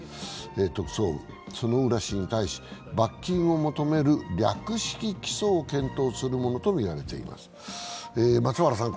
特捜部は薗浦氏に対し、罰金を求める略式起訴を検討するものとみられています。